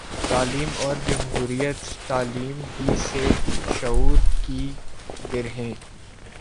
تعلیم اور جمہوریت تعلیم ہی سے شعور کی گرہیں